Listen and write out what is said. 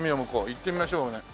行ってみましょうね。